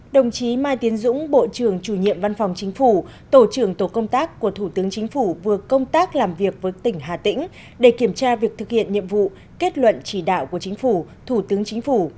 đồng chí mai tiến dũng bộ trưởng chủ nhiệm văn phòng chính phủ tổ trưởng tổ công tác của thủ tướng chính phủ vừa công tác làm việc với tỉnh hà tĩnh để kiểm tra việc thực hiện nhiệm vụ kết luận chỉ đạo của chính phủ thủ tướng chính phủ